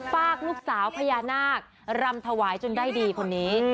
ฝากลูกสาวพญานาครำถวายจนได้ดีคนนี้